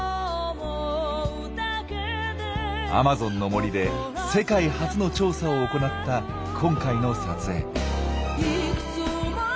アマゾンの森で世界初の調査を行った今回の撮影。